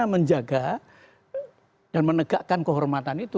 menjaga dan menegakkan kehormatan itu